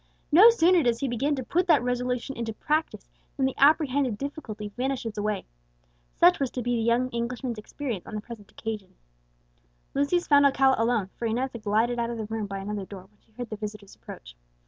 No sooner does he begin to put that resolution into practice than the apprehended difficulty vanishes away! Such was to be the young Englishman's experience on the present occasion. Lucius found Alcala alone, for Inez had glided out of the room by another door when she heard the visitor's approach.